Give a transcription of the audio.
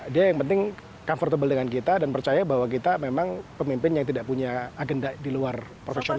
dia yang penting comfortable dengan kita dan percaya bahwa kita memang pemimpin yang tidak punya agenda di luar profesional